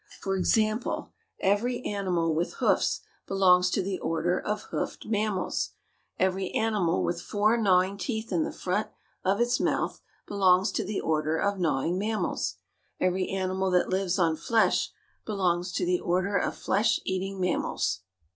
For example, every animal with hoofs belongs to the Order of Hoofed Mammals. Every animal with four gnawing teeth in the front of its mouth belongs to the Order of Gnawing Mammals. Every animal that lives on flesh belongs to the Order of Flesh Eating Mammals.